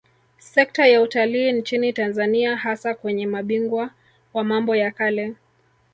Sekta ya Utalii nchini Tanzania hasa kwenye mabingwa wa mambo ya kale